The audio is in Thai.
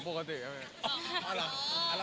รู้ตัวไหม